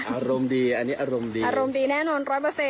อารมณ์ดีอารมณ์ดีแน่นอน๑๐๐